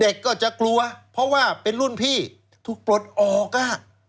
เด็กก็จะกลัวเพราะว่าเป็นรุ่นพี่ถูกปลดออกอ่ะ